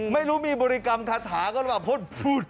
ไม่รู้มีบริกรรมทะท้าก็แบบพดพูด